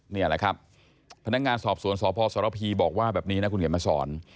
นี่แหละครับพนักงานสอบสวนสพสรพีบอกว่าแบบนี้นะคุณเขียนมาสอน